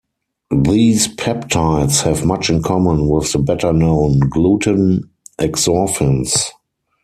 These peptides have much in common with the better-known gluten exorphins.